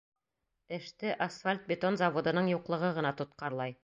Эште асфальт-бетон заводының юҡлығы ғына тотҡарлай.